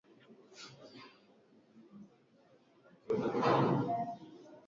taarab hii ndio ilikuwa ya kwanza kuanza kuingiza vifaa ambavyo vilikuwa vigeni katika taarabu